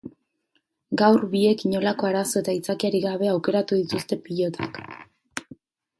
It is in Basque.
Gaur biek inolako arazo eta aitzakiarik gabe aukeratu dituzte pilotak.